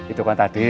itu kan tadi